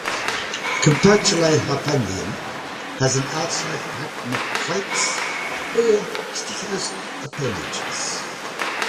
Campanulate hypanthium has an outside pattern of plates or setose appendages.